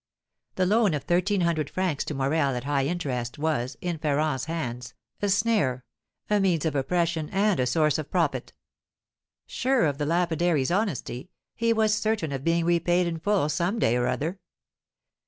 The loan of thirteen hundred francs to Morel at high interest was, in Ferrand's hands, a snare a means of oppression and a source of profit. Sure of the lapidary's honesty, he was certain of being repaid in full some day or other.